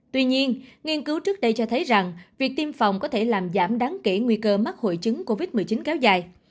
tuy nhiên nghiên cứu trước đây cho thấy rằng việc tiêm phòng có thể làm giảm đáng kể nguy cơ mắc hội chứng covid một mươi chín kéo dài